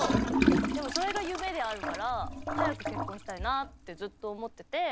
でもそれが夢であるから早く結婚したいなってずっと思ってて。